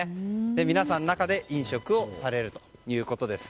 皆さん、中で飲食をされるということです。